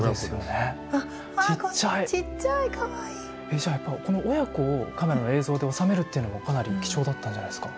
じゃあやっぱりこの親子をカメラの映像で収めるっていうのもかなり貴重だったんじゃないですか？